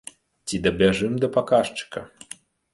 Ці дабяжым да паказчыка?